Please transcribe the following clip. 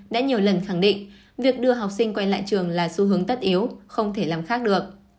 đã nhiều lần khẳng định việc đưa học sinh quay lại trường là xu hướng tất yếu không thể làm khác được